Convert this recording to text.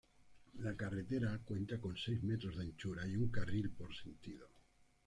La carretera cuenta con seis metros de anchura y un carril por sentido.